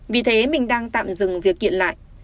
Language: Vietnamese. vì thế mình đang tạm dừng việc kiện lại